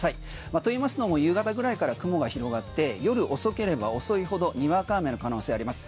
といいますのも夕方ぐらいから雲が広がって夜遅ければ遅いほどにわか雨の可能性あります。